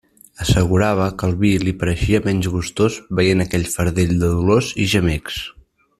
Assegurava que el vi li pareixia menys gustós veient aquell fardell de dolors i gemecs.